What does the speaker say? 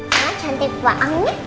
mas cantik banget